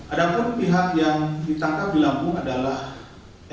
ada pun pihak yang ditangkap di lampung adalah